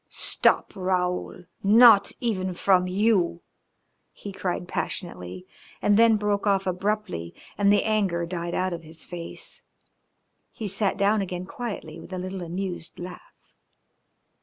"Stop, Raoul! Not even from you !" he cried passionately, and then broke off abruptly, and the anger died out of his face. He sat down again quietly, with a little amused laugh.